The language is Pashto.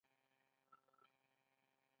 مهربانۍ لذت انصاف عدالت کار او زحمت.